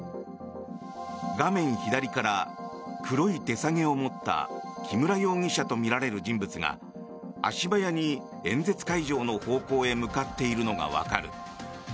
画面左から、黒い手提げを持った木村容疑者とみられる人物が足早に演説会場の方向へ向かっているのがわかる。